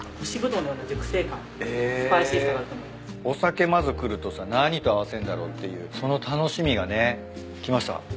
お酒まず来るとさ何と合わせんだろうっていうその楽しみがね。来ました。